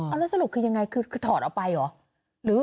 แล้วสรุปคือยังไงคือถอดออกไปเหรอ